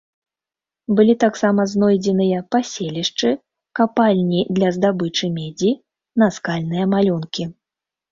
Былі таксама знойдзеныя паселішчы, капальні для здабычы медзі, наскальныя малюнкі.